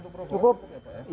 satu orang cukup pak